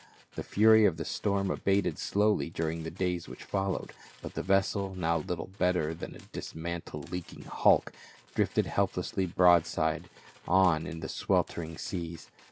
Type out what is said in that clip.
The fury ON THE WAY TO ROME. 433 of the storm abated slowly during the days which fol lowed, but the vessel, now little better than a disman tled leaking hulk, drifted helplessly broadside on in the sweltering seas.